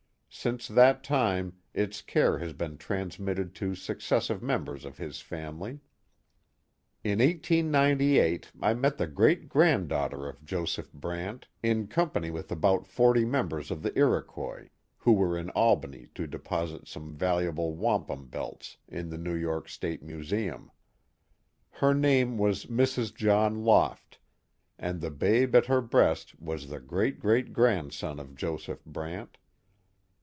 Since that time its care has been transmitted to successive members of his family. In 1898 I met the great granddaughter of Joseph Brant in company with about forty members of the Iroquois, who were in Albany to deposit some valuable wampum belts in the New York State Museum. Her name was Mrs. John Loft, and the babe at her breast was the great great grandson of Joseph Brant.